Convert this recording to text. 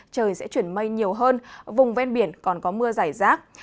trời sẽ chuyển mây nhiều hơn vùng ven biển còn có mưa giải rác